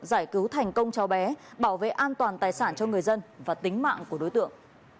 giải cứu thành công cháu bé bảo vệ an toàn tài sản cho người dân và tính mạng của đối tượng